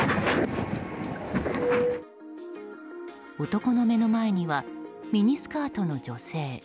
男の目の前にはミニスカートの女性。